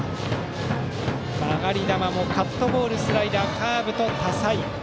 曲がり球もカットボール、スライダーカーブと多彩。